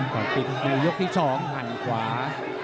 ก่อนปิดมียกที่สองหันขวา